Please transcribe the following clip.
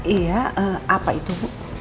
iya apa itu bu